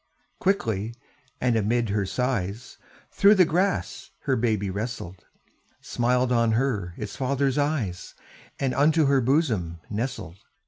Quickly, and amid her sighs, Through the grass her baby wrestled, Smiled on her its father's eyes, And unto her bosom nestled.